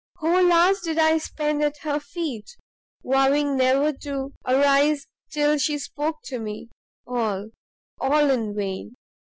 "Whole hours did I spend at her feet, vowing never to arise till she spoke to me, all, all, in vain!